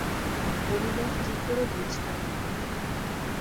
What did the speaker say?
বলিল, কী করে বুঝবেন?